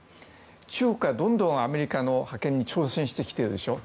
中国がどんどんアメリカの覇権に挑戦してきてるでしょ。